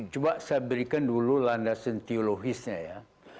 coba saya berikan dulu landasan teologisnya ya